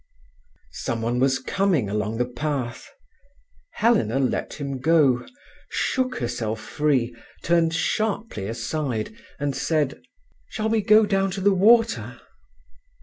Someone was coming along the path. Helena let him go, shook herself free, turned sharply aside, and said: "Shall we go down to the water?"